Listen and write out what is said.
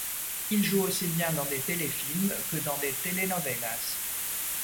Il joue aussi bien dans des téléfilms que dans des Telenovelas.